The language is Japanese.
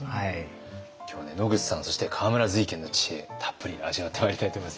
今日はね野口さんそして河村瑞賢の知恵たっぷり味わってまいりたいと思います